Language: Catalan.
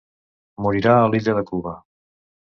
Morirà a l'illa de Cuba.